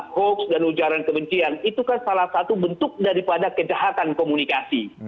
hoax dan ujaran kebencian itu kan salah satu bentuk daripada kejahatan komunikasi